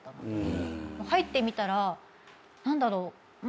入ってみたら何だろう。